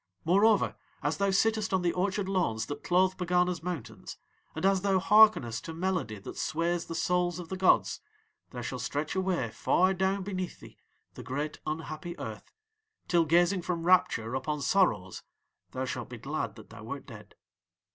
"'Moreover, as thou sittest on the orchard lawns that clothe Pegana's mountains, and as thou hearkenest to melody that sways the souls of the gods, there shall stretch away far down beneath thee the great unhappy Earth, till gazing from rapture upon sorrows thou shalt be glad that thou wert dead.